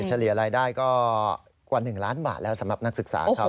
เฉลี่ยรายได้ก็กว่า๑ล้านบาทแล้วสำหรับนักศึกษาเขา